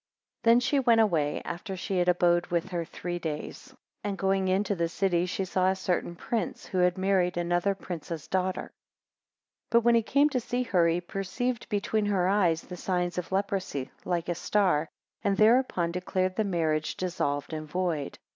7 Then she went away, after she had abode with her three days; 8 And going into the city, she saw a certain prince, who had married another prince's daughter; 9 But when he came to see her, he perceived between her eyes the signs of leprosy like a star, and thereupon declared the marriage dissolved and void.